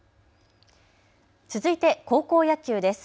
続いて高校野球です。